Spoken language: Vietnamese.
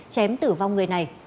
chém tử vong người này